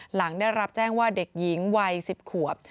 หลังได้รับแจ้งว่าเด็กหญิงวัย๑๐ขวบ